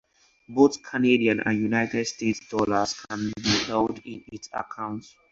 Both Canadian and United States dollars can be held in its accounts.